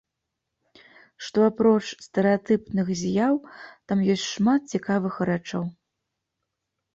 Што апроч стэрэатыпных з'яў, там ёсць шмат цікавых рэчаў.